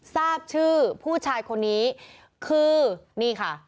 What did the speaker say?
ทราบชื่อผู้ชายคนนี้คือนี่ค่ะ